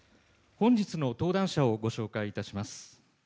本日の登壇者をご紹介します。